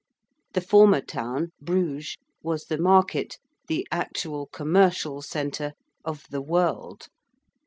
The former town, Bruges, was the Market the actual commercial centre of the world.